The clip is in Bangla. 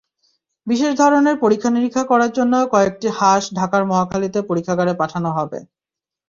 বিষের ধরন পরীক্ষা-নিরীক্ষা করার জন্য কয়েকটি হাঁস ঢাকার মহাখালীতে পরীক্ষাগারে পাঠানো হবে।